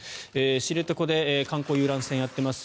知床で観光遊覧船をやっています